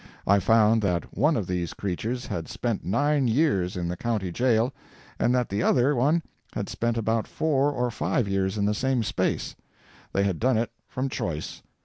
I found that one of these creatures had spent nine years in the county jail, and that the other one had spent about four or five years in the same place. They had done it from choice.